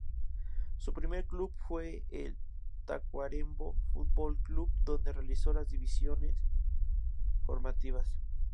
Su primer club fue el Tacuarembó Fútbol Club, donde realizó las divisionales formativas.